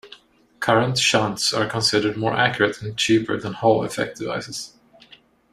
Current shunts are considered more accurate and cheaper than Hall effect devices.